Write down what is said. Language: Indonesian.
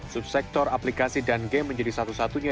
subsektor aplikasi dan game menjadi satu satunya